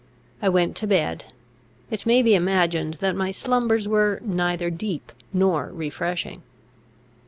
I went to bed. It may be imagined that my slumbers were neither deep nor refreshing.